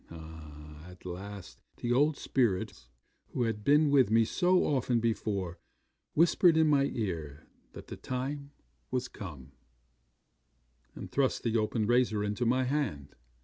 'At last the old spirits who had been with me so often before whispered in my ear that the time was come, and thrust the open razor into my hand.